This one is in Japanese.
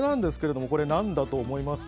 何だと思いますか。